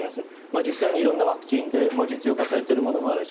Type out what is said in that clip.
実際に色んなワクチンで実用化されているものもあります